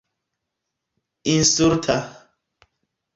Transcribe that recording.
insulta